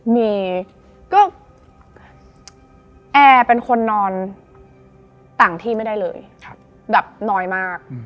มีก็แอร์เป็นคนนอนต่างที่ไม่ได้เลยแบบน้อยมาก